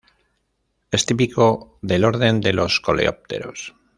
Es típico del orden de los coleópteros.